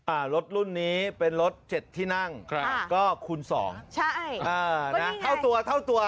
อ่ารถรุ่นนี้เป็นรถเจ็ดที่นั่งครับก็คูณสองใช่อ่านะเท่าตัวเท่าตัว